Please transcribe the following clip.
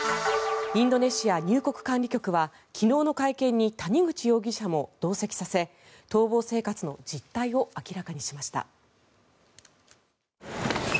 インドネシア入国管理局は昨日の会見に谷口容疑者も同席させ逃亡生活の実態を明らかにしました。